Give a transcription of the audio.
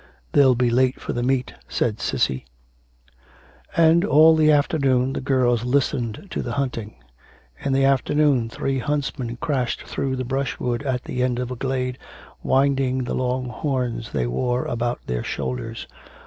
'They'll be late for the meet,' said Cissy. And all the afternoon the girls listened to the hunting. In the afternoon three huntsmen crashed through the brushwood at the end of a glade, winding the long horns they wore about their shoulders.